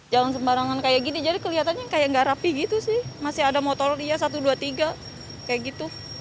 jalan sembarangan kayak gini jadi kelihatannya kayak gak rapi gitu sih masih ada motor iya satu dua tiga kayak gitu